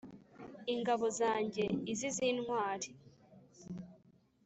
ingabo zanjye izi z`intwari